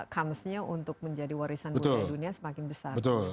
kamusnya untuk menjadi warisan budaya dunia semakin besar